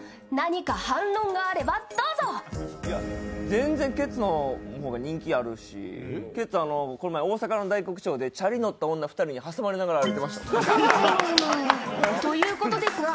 全然ケツの方が人気あるし、ケツ、この前、大阪の大国町でチャリのった女２人に挟まれながら歩いていました。